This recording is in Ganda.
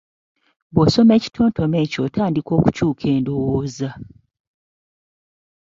Bw'osoma ekitontome ekyo otandika okukyuka endowooza.